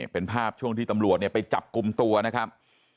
เป็นภาพช่วงที่ตำรวจไปจับกลุ่มตัวนะครับ